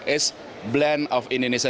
ini adalah blend dari kopi indonesia